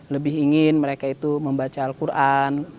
lebih ingin mereka itu membaca al quran